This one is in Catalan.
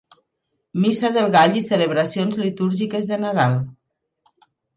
Missa del Gall i celebracions litúrgiques de Nadal.